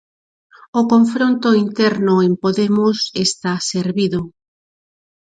O confronto interno en Podemos está servido.